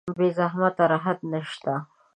بې زحمته راحت نشته.